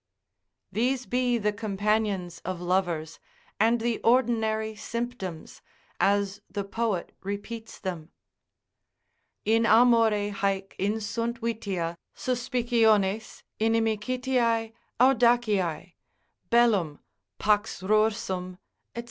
These be the companions of lovers, and the ordinary symptoms, as the poet repeats them. In amore haec insunt vitia, Suspiciones, inimicitiae, audaciae, Bellum, pax rursum, &c.